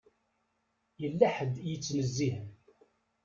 Yella ḥedd i yettnezzihen.